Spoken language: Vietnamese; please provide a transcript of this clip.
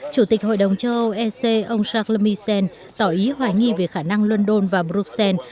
chủ tịch hội đồng châu âu ec ông charles misen tỏ ý hoài nghi về khả năng london và bruxelles